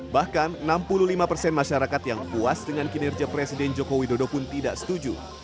bahkan enam puluh lima persen masyarakat yang puas dengan kinerja presiden joko widodo pun tidak setuju